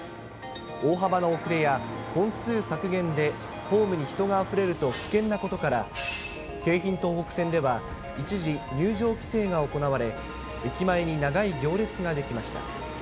大幅な遅れや本数削減で、ホームに人があふれると危険なことから、京浜東北線では一時入場規制が行われ、駅前に長い行列が出来ました。